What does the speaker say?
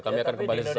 kami akan kembali sesama